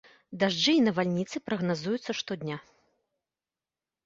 Дажджы і навальніцы прагназуюцца штодня.